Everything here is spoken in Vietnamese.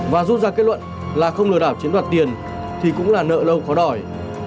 và rút ra kết luận là không lừa đảo chiếm đoạt tiền thì cũng là nợ lâu khó đòi